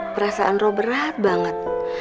perasaan lo berat banget